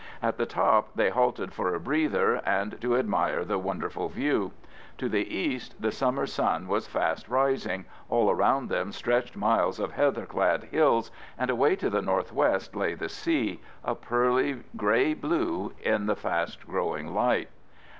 At the top they halted for a breather and to admire the wonderful view. To the east the summer sun was fast rising, all around them stretched miles of heather clad hills, and away to the north west lay the sea, a pearly grey blue in the fast growing light.